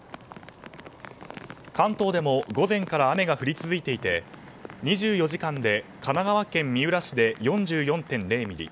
関東でも午前から雨が降り続いていて２４時間で神奈川県三浦市で４４．０ミリ